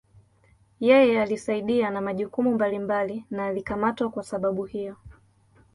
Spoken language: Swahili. Yeye alisaidia na majukumu mbalimbali na alikamatwa kuwa sababu hiyo.